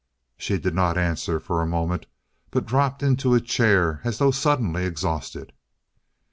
She did not answer for a moment, but dropped into a chair as though suddenly exhausted.